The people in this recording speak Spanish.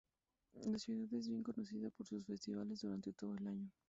La ciudad es bien conocida por sus festivales durante todo el año.